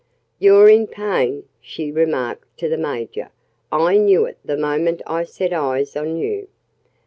"You're in pain," she remarked to the Major. "I knew it the moment I set eyes on you."